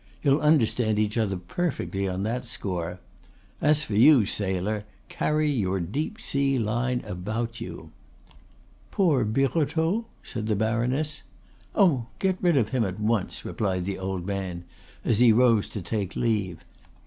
You'll understand each other perfectly on that score. As for you, sailor, carry your deep sea line about you." "Poor Birotteau?" said the baroness. "Oh, get rid of him at once," replied the old man, as he rose to take leave.